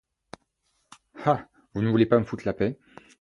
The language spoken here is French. Ah ! vous ne voulez pas me foutre la paix !